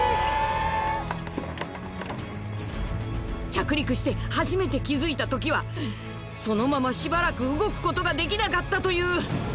［着陸して初めて気付いたときはそのまましばらく動くことができなかったという］